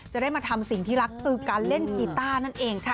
จะได้มาทำสิ่งที่รักคือการเล่นกีต้านั่นเองค่ะ